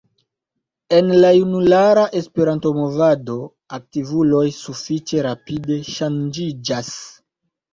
En la junulara Esperanto-movado aktivuloj sufiĉe rapide ŝanĝiĝas.